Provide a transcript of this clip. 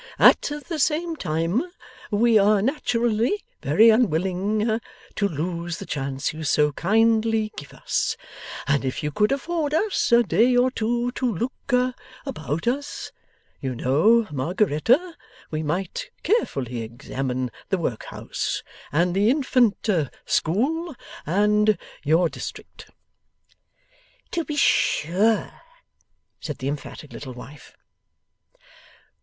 At the same time, we are naturally very unwilling to lose the chance you so kindly give us, and if you could afford us a day or two to look about us, you know, Margaretta, we might carefully examine the workhouse, and the Infant School, and your District.' 'To be SURE!' said the emphatic little wife.